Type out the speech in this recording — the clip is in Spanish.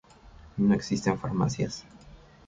No existen farmacias.